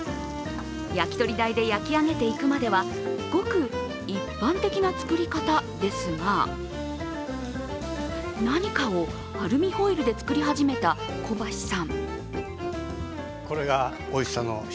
焼き鳥台で焼き上げていくまではごく一般的な作り方ですが何かをアルミホイルで作り始めた小橋さん。